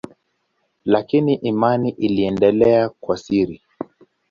Lakini imani iliendelea kwa siri.